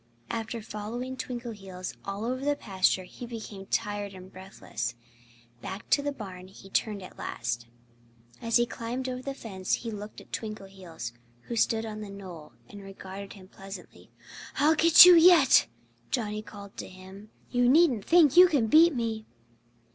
After following Twinkleheels all over the pasture he became tired and breathless. Back toward the barn he turned at last. As he climbed over the fence he looked at Twinkleheels, who stood on a knoll and regarded him pleasantly. "I'll get you yet!" Johnnie called to him. "You needn't think you can beat me!"